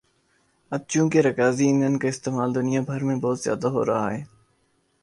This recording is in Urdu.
اب چونکہ رکازی ایندھن کا استعمال دنیا بھر میں بہت زیادہ ہورہا ہے